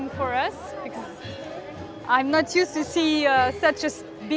saya tidak biasa melihat perayaan besar seperti ini